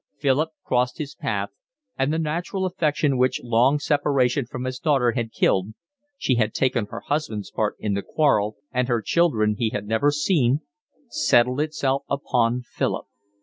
Philip crossed his path, and the natural affection which long separation from his daughter had killed—she had taken her husband's part in the quarrel and her children he had never seen—settled itself upon Philip.